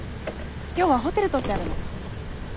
今日はホテル取ってあるの。え？